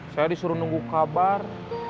saya disuruh nunggu kabar